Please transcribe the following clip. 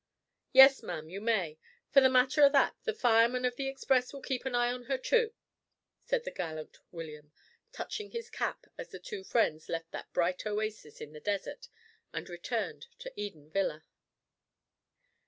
"Yes, ma'am, you may; for the matter o' that, the fireman of the express will keep an eye on her too," said the gallant William, touching his cap as the two friends left that bright oasis in the desert and returned to Eden Villa.